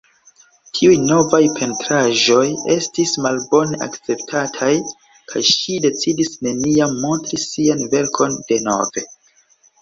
Tiuj novaj pentraĵoj estis malbone akceptataj, kaj ŝi decidis neniam montri sian verkon denove.